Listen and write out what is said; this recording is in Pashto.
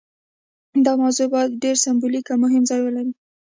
دا موضوع باید ډیر سمبولیک او مهم ځای ولري.